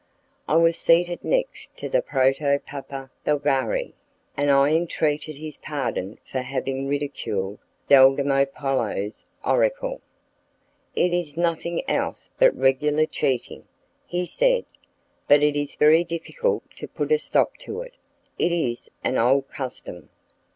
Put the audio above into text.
I was seated next to the Proto Papa Bulgari, and I entreated his pardon for having ridiculed Deldimopulo's oracle. "It is nothing else but regular cheating," he said, "but it is very difficult to put a stop to it; it is an old custom."